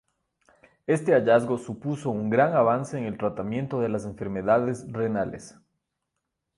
Este hallazgo supuso un gran avance en el tratamiento de las enfermedades renales.